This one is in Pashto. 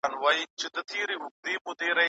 خپله لیکنه د معیارونو مطابق برابره کړئ.